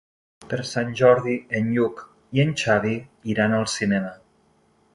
Per Sant Jordi en Lluc i en Xavi iran al cinema.